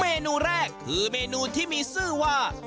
เมนูแรกคือเมนูที่มีชื่อว่า